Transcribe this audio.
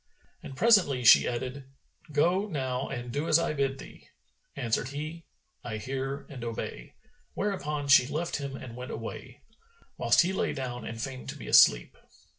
And presently she added, "Go now and do as I bid thee." Answered he, "I hear and obey;" whereupon she left him and went away, whilst he lay down and feigned to be asleep.